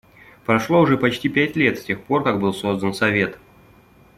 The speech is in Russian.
Прошло уже почти пять лет с тех пор, как был создан Совет.